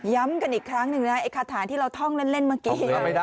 กันอีกครั้งหนึ่งนะไอ้คาถาที่เราท่องเล่นเมื่อกี้